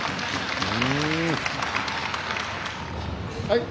はい。